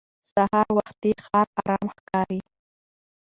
سهار وختي ښار ارام ښکاري